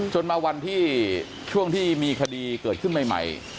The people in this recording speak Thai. จนมาวันที่ช่วงที่มีคดีเกิดขึ้นใหม่